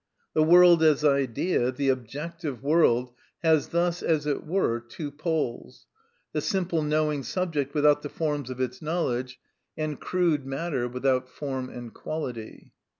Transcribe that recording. The world as idea, the objective world, has thus, as it were, two poles; the simple knowing subject without the forms of its knowledge, and crude matter without form and quality.